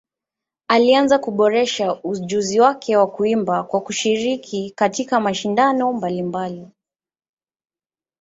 Alianza kuboresha ujuzi wake wa kuimba kwa kushiriki katika mashindano mbalimbali.